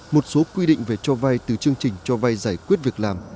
một số quy định về cho vay từ chương trình cho vay giải quyết việc làm